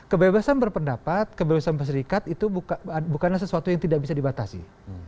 kebebasan berpendapat kebebasan berserikat itu bukanlah sesuatu yang tidak bisa dibatasi